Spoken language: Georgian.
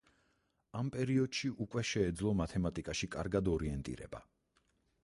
ამ პერიოდში უკვე შეეძლო მათემატიკაში კარგად ორიენტირება.